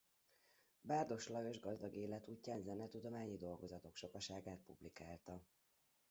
Bárdos Lajos gazdag életútján zenetudományi dolgozatok sokaságát publikálta.